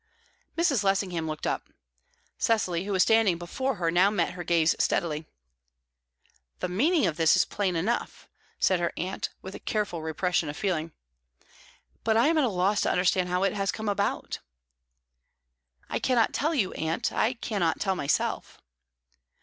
Mrs. Lessingham looked up. Cecily, who was standing before her, now met her gaze steadily. "The meaning of this is plain enough," said her aunt, with careful repression of feeling. "But I am at a loss to understand how it has come about." "I cannot tell you, aunt. I cannot tell myself."